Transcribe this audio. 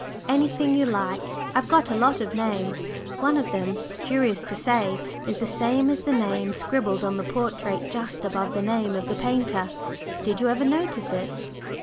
"Anything you like. I've got a lot of names. One of them, curious to say, is the same as the name scribbled on the portrait just above the name of the painter. Did you ever notice it?"